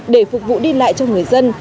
để phục vụ đi lại cho người dân